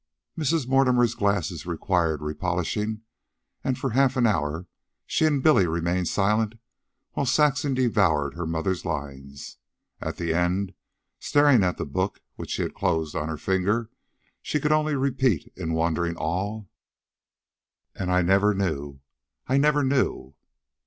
Mrs. Mortimer's glasses required repolishing; and for half an hour she and Billy remained silent while Saxon devoured her mother's lines. At the end, staring at the book which she had closed on her finger, she could only repeat in wondering awe: "And I never knew, I never knew."